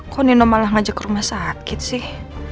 kok nino malah ngajak ke rumah sakit sih